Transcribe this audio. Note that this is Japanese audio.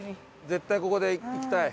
絶対ここで行きたい。